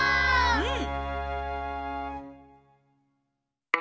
うん！